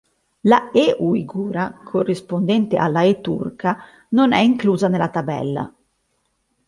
La "e" uigura, corrispondente alla "e" turca, non è inclusa nella tabella.